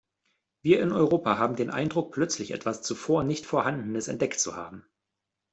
Wir in Europa haben den Eindruck, plötzlich etwas zuvor nicht Vorhandenes entdeckt zu haben.